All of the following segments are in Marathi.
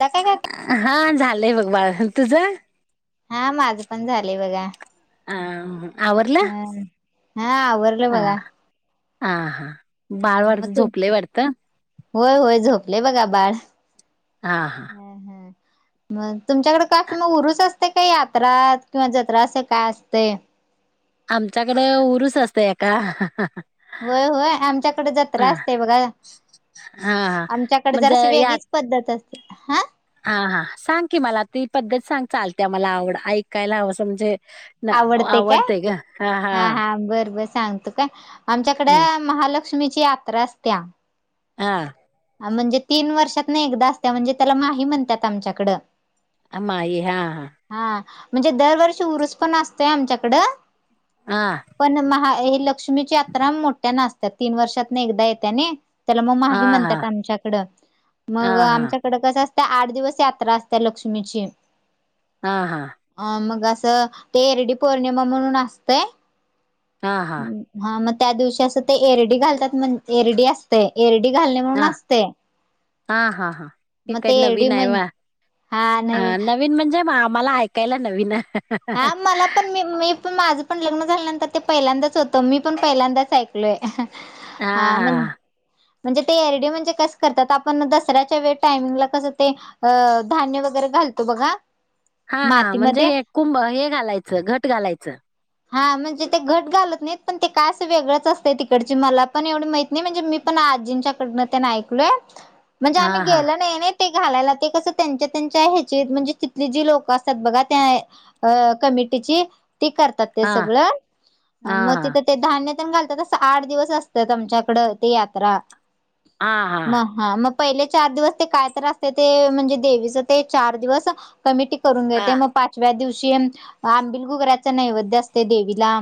ला काय का हा झालंय बघ बाळ तुझं. हा माझं पण झालंय बघा. अ [unintelligible] हम हा आवरलं हा बघा. हा हा बाळ हम्म मग वाढत तू झोपलय वाटतं. होय होय झोपलय बघा बाळ हा हा ह ह मग तुमच्याकडे काकी मग उरुस असतय काय यात्रा किंवा जत्रा असं काय असतय? आमच्याकडें उरूस असतय का? होय होय आमच्याकडे जत्रा हा असतय बघा. हा आमच्याकडे म्हणजे जराशी यात वेगळीच पद्धत असते हा. हा हा सांग की मला ती पद्धत सांग चालत्या मला आवड ऐकायला हंवस म्हणजे आवडतय काय हा हा बर बर. सांगतो काय आमच्याकड हम्म महालक्ष्मीची यात्रा असत्या. हा म्हणजे तीन वर्षात न एकदा असत्या म्हणजे त्याला माही म्हणत्यात आमच्याकडं. आमाही हा हा म्हणजे दरवर्षी ऊरुस पण असतोय आमच्याकडं हा पण महा लक्ष्मीची यात्रा मोठ्यान असत्यात तीन वर्षातन एकदा येत्यात त्याला मग हा माही हा म्हणतात. आमच्याकड हा मग हा आमच्याकडं कस असतं आट दिवस यात्रा असत्या लक्ष्मीची हा हा अं मग असं ते एरडी पौर्णिमा म्हणून असतय. हा हा हा मग त्या दिवशी असं ते एरडी घालतात म्हण एरडी असते एरडी घालणे म्हणून हा अस हा हा हा हे मग ते काही एरडी नवीन आहे म्हण वा ह नवीन म्हणजे म्ह आम्हाला ऐकायला नवीन हा मला पण मी मी पण माझं पण लग्न झाल्यानंतर ते पहिल्यांदाच होतं मी पण पहिल्यांदाच ऐकलोय. हा हा हा म्हणजे ते एरडी म्हणजे कस करतात आपण दसऱ्याच्या वेळ टायमिंगला कसं ते धान्य वगैरे घाल घालतो बघा. हा हा म्हणजे मातीमध्ये हे कुंभ हे घालायचं घट घालायचं. हा म्हणजे ते घट घालत नाहीत पण ते काय अस वेगळंच असतय तिकडची मला पण एवढी माहित नाही म्हणजे मी पण आजींच्याकडन ते ऐकलोय म्हणजे आम्ही हां, हां. गेलो नाही नाही ते घालायला ते कस त्यांच्या त्यांच्या ह्याचे म्हणजे तिथले जे लोक असतात बघा त्या अ कमिटीची ती करतात ते हां, सगळं हां, मग तिथं ते धान्य घालतात आठ दिवस असत आमच्याकड ते यात्रा म हां. ह मग पहिले चार दिवस ते काय तर असते ते म्हणजे देवीच ते चार दिवस कमिटी करून घेते मग हां, पाचव्या शेण आंबिल गुगराच नैवेद्य असते देवीला.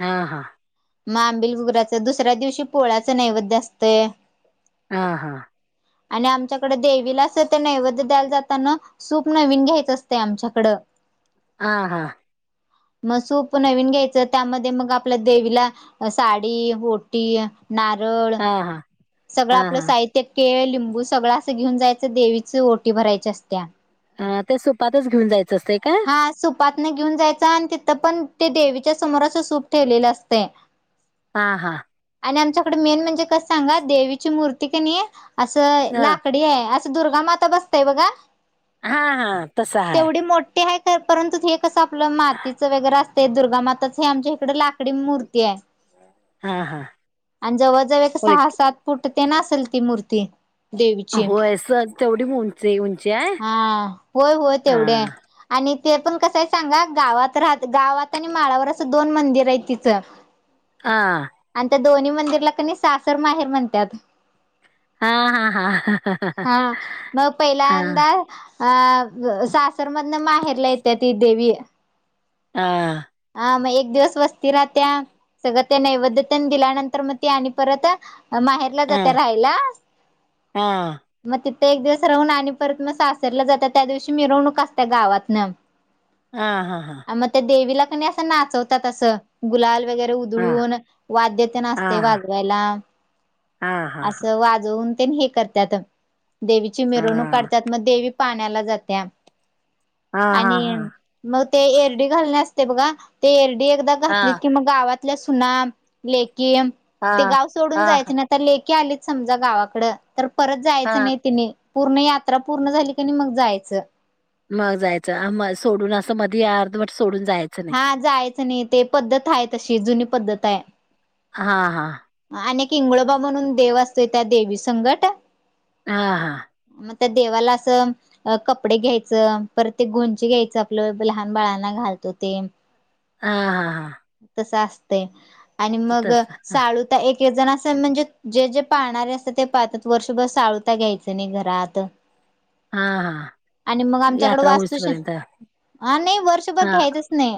हा हा मांबिल बुगराच दुसऱ्या दिवशी पोळ्याचं नैवद्य असतंय. ह हा आणि आमच्याकडें देवीला असं ते नैवेद्य द्यायला जाताना सूप नवीन घ्यायचं असत आमच्याकडं. हा हा मग सूप नवीन घ्यायचं त्यामध्ये मग आपल्या देवीला साडी ओटी नारळ हां, हां. सगळं हां, आपलं हां. साहित्य केळ लिंबू सगळं असं घेऊन जायचं देवीच ओटी भरायच्या असत्या. हा ते सुपातच घेऊन जायचं असतं का पातन घेऊन जायच आणि तिथं पण ते देवीच्या समोराचं सूप ठेवलेलं असते हा हा आणि आमच्याकडे मेन म्हणजे कस सांगा देवीची मूर्ती क नाही असं हं. लाकडी आहे दुर्गा माता बसतेय बघा हा हा तस हा तेवढी मोठी आहे परंतु ते कसं आपलं मातीचं वगैरे असत दुर्गामाताच हे आमच्या इकडे लाकडी मूर्ती आहे हां, हां. आणि जवळजवळ एक होय सहा की. सात फुट ते नासेल ती मूर्ती देवीचे होय सर तेवढी उंची उंची आहे? हा होय होय तेवढे हां. आणि ते पण कसं आहे सांगा गावात राह गावात आणि माळावर असं दोन मंदिर आहे तिथं आा दोन्ही मंदिरला क सासर माहेर म्हणतात हां, हां, हां. हा मग पहिल्यांदा हां. अ सासरमधन माहेरला येते ती देवी हा ह मग एक दिवस वस्ती राह त्या सगळ्या त्या नैवद्यतेने दिल्यानंतर मग ते आणि परत माहेरला जाते हां. राहायला हां. मग ति एक दिवस राहून आणि परत मग सासरला जातात त्या दिवशी मिरवणूक असत गावातन हा हा हा मग त्या देवीला कणी असं नाचवतात असं गुलाल वगैरे हा उधळून वाद्य ते हा नासते वाजवायला हा हा हा असं वाजवून हे करतात देवीची हा हा मिरवणूक काढतात मग देवी पाण्याला जात्या हा हा आणि मग ते एरडी घालणे असते बघा ते एरडी एकदा हा घातली की मग गावातल्या सुना ले कि हा ते गाव सोडून हा हा जायचं ना आता लेकीी आलीच समजा गावाकडं तर परत जायचं हा नाही तिने पूर्ण यात्रा पूर्ण झाली क नाही मग जायचं मग जायचं म सोडून अस मध्ये अर्ध वट हा जायचं नाही ते पद्धत आहे तशी जुनी पद्धत आहे हा हा किंगोबा म्हणून देव असतोय त्या देवी संघट हा हा मग त्या देवाला असं कपडे घ्यायचं परत ते गुंची घ्यायचं आपलं लहान बाळांना घालतो तीन हा हा हा आणि मग तस हा साळूता एक ते जण अस, म्हणजे जे जे पाहणारे असतात ते पाहतात. वर्षभर साळूता घ्यायचं नाही घर आता. हा हा. आणि मग आमच्याकड यात्रा वास्तु, होईसपर्यंत हा हा नाही वर्षभर हा घ्यायचच नाही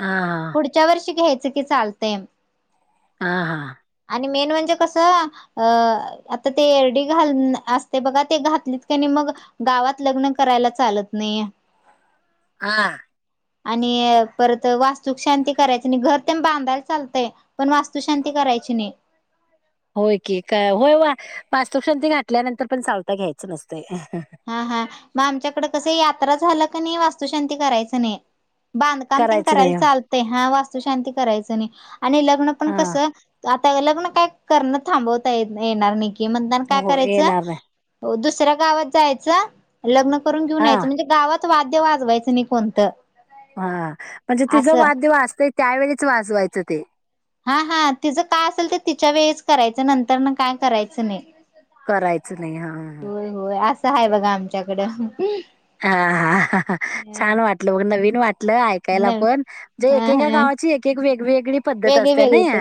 हा पुढच्या वर्षी घ्यायचं की चालते. हा हा आणि मेन म्हणजे कस, आता ते एरडी घाल असते बघा ते घात मग गावात लग्न करायला चालत नाही. हा आणि परत वास्तू शांती करायचं नाही. घर ते बांधायला चालतंय पण वास्तू शांती कराय करायची नाही. होय की का होय होय वा पास्तुक्षांती घाठल्यानंतर पण चालता घ्यायचं नसत. हा हा मग आमच्याकडे कस यात्रा झालं क नाही, वास्तुशांती करायचं नाही. बांधकाम ते करायचं करायला नाही चालतंय हा वास्तु शांती करायचं नाही. आणि लग्न पण हा कसं लग्न काय करण थांबवता येणार नाही की म्हना काय हो करायचं येणार नाही दुस दुसऱ्या गावात जायचं लग्न करून घेऊन हा यायचं. म्हणजे गावात वाद्य वाजवायचं नाही कोणतं. हा म्हणजे तिजा असं वाद्य वाचतय त्यावेळीच वाजवायचं ते. हा हा तिचं काय असेल तर तिच्या वेळीच करायचं, नंतर ना काय करायचं नाही. करायचं नाही हा हा होय होय असं आहे बघा आमच्याकडं. हा. हा हा ह छान वाटलं बघ नवीन वाटलं ऐ कायला न पण एकेका गावाची एक-एक वेगवेग वेगळे-वेगळे पण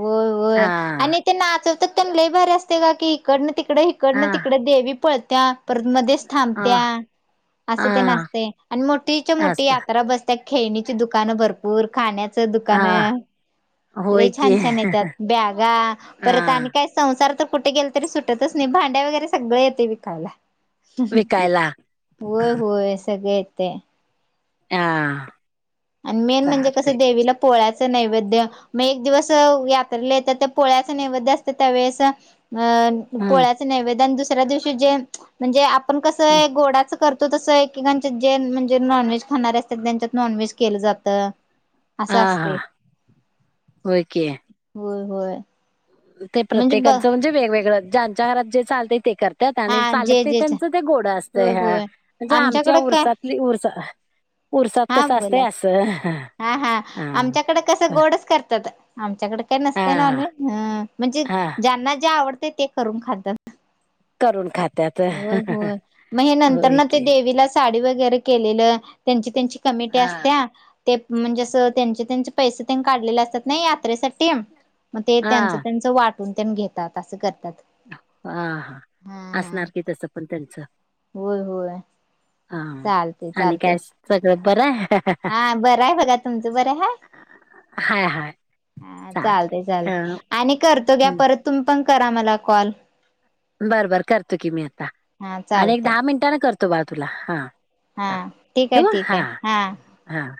होय हा होय आणि ते नाचवतात तेन लई भारी अस ते का की इकडनं तिकडं, इकडनं हा तिकडं देवी पळत्या परत मध्येच हा थांबत्या. असं ते हा नाचते आणि मोठीच्या मोठी असत यात्रा बसते खेळणीची दुकानं भरपूर खाण्याचं हा दुकानं होय लई की छान-छान येतात, बॅगा हा परत आणि काय संसार तर कुठे गेलं तरी सुटतच नाही भांड्या वगरे सगळे येते विकायला. विकायला होय-होय सगळे येते. आ आणि मेन म्हणजे कसं देवीला पोळ्या चा नैवेद्य म एक दिवस यात्रेला येतात तर पोळ्याच नैवेद असते त्यावेेळेस अ हम्म पोळ्याचा नैवेद्यन दुसऱ्या दिवशी जे म्हणजे आपण कसं आहे गोडाचा करतो तसं पूर्ण एकेकांचा जे म्हणजे नॉनव्हेज खाणारे असतात, त्यांच्यात नॉनव्हेज केलं जातं. असं हा हा असते होय की. होय होय. ते म्हणजे ब प्रत्येकाचा म्हणजे वेगवेगळं ज्यांच्या घरात जे चालत ते कर त्यात हा आणि जे चालत ते जे त्यांचा ते गोडा असतय होय हा होय म्हणजे आमच्या आमच्याकडे काय उरसातली उरर्सा हा बोला, हा हा हा आमच्याकडे कसं गोडच करतात. च्याकडे काही नसते हा नॉनव्हेज, हां म्हणजे हा ज्यांना जे आवडते ते करून खातात. करून खात होय होय मग हे नंतर ना ते की देवीला साडी वगैरे केलेलं त्यांची त्यांची कमटी हा असत्या ते म्हणजे असं त्यांचे त्यांचे पैसे तेन काढलेले असतात ना यात्रेसाठी म ते हा त्यांचा त्यांचा वाटून तेन घेतात असं कर आ हा असणार की तसं पण त्यांचा होय होय. हा आणि काय सगळं बरं आहे? हां बरं आहे बघा तुमचं बरं हाय? हाय हाय हा चालतंय अ, चालते-चालते आणि करतो बया हं. परत तुम्ही पण करा मला कॉल बरं बर करतो की मी आता हा आणि एक चालते दहा मिनटांने करतो, बा तुला हा. हा ठीक आहे ठेवू ठीक हा आहे हा.